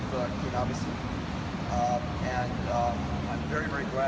ก็แค่ใช้เวลายาวแต่กว่าลงมาก็ช้า